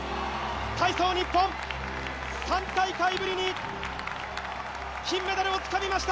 体操ニッポン、３大会ぶりに金メダルを掴みました。